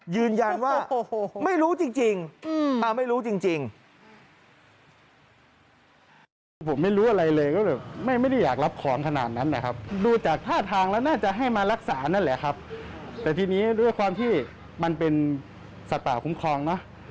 ยืนยันว่าไม่รู้จริง